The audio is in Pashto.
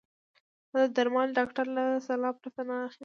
زه درمل د ډاکټر له سلا پرته نه رانيسم.